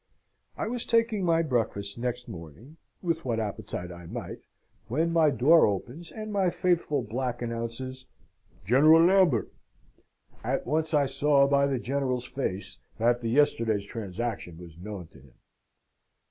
I was taking my breakfast next morning, with what appetite I might, when my door opens, and my faithful black announces, "General Lambert." At once I saw, by the General's face, that the yesterday's transaction was known to him.